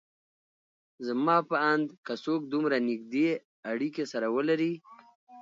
زما په اند که څوک دومره نيږدې اړکې سره ولري